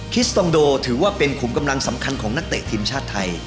สตองโดถือว่าเป็นขุมกำลังสำคัญของนักเตะทีมชาติไทย